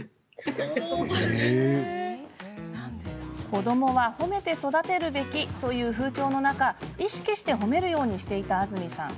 子どもは褒めて育てるべきという風潮の中意識して褒めるようにしていた安住さん。